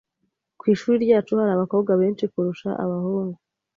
Ku ishuri ryacu hari abakobwa benshi kurusha abahungu.